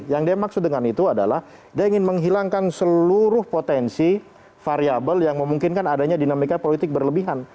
yang dia maksud dengan itu adalah dia ingin menghilangkan seluruh potensi variable yang memungkinkan adanya dinamika politik berlebihan